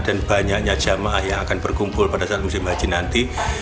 dan banyaknya jamaah yang akan berkumpul pada saat musim haji nanti